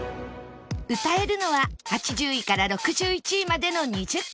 歌えるのは８０位から６１位までの２０曲